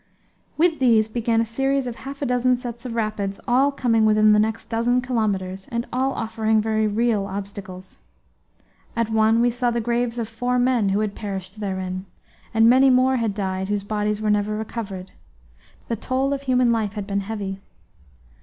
With these began a series of half a dozen sets of rapids, all coming within the next dozen kilometres, and all offering very real obstacles. At one we saw the graves of four men who had perished therein; and many more had died whose bodies were never recovered; the toll of human life had been heavy.